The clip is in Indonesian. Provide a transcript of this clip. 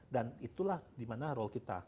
dan itulah di mana role kita